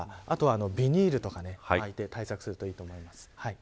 あとはビニールとか巻いて対策するといいと思います。